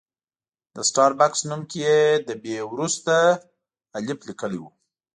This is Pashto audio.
د سټار بکس نوم کې یې له بي وروسته الف لیکلی و.